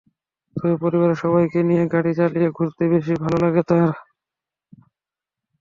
তবে পরিবারের সবাইকে নিয়ে গাড়ি চালিয়ে ঘুরতে বেশি ভালো লাগে তাঁর।